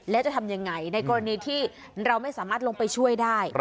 แล้วจะทำยังไงในกรณีที่เราไม่สามารถลงไปช่วยได้